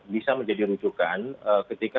bisa menjadi rujukan ketika